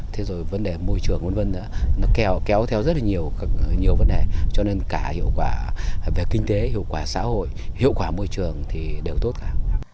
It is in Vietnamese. thế rồi vấn đề môi trường v v nó kéo theo rất là nhiều nhiều vấn đề cho nên cả hiệu quả về kinh tế hiệu quả xã hội hiệu quả môi trường thì đều tốt cả